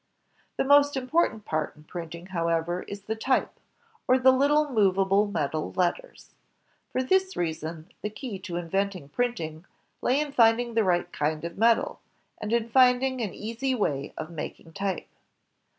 The most important part, in printing, however, is the type, or the little movable metal letters. For this reason, the key to inventing printing lay in finding the right kind of metal, and in finding an easy way of making type.